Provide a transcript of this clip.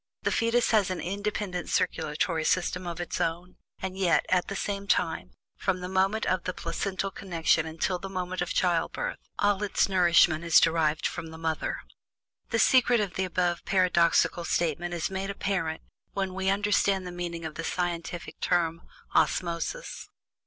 The fetus has an independent circulatory system of its own, and yet, at the same time, from the moment of the placental connection until the moment of childbirth, all its nourishment is derived from its mother. The secret of the above paradoxical statement is made apparent when we understand the meaning of the scientific term "osmosis."